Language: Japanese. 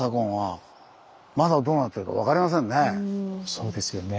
そうですよね。